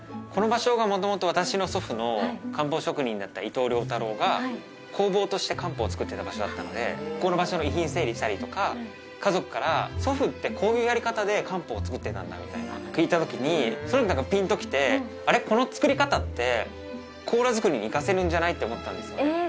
この場所が元々私の祖父の漢方職人だった伊東良太郎が工房として漢方を作ってた場所だったのでこの場所の遺品整理したりとか家族から祖父ってこういうやり方で漢方を作ってたんだみたいな聞いたときにそれに何かピンときてあれこの作り方ってコーラ作りに生かせるんじゃない？って思ったんですよね